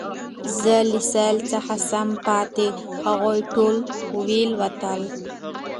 زه له سېل څخه سم پاته هغوی ټول وي الوتلي